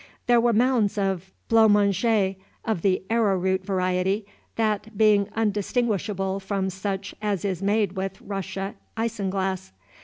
There were mounds of blo'monje, of the arrowroot variety, that being undistinguishable from such as is made with Russia isinglass.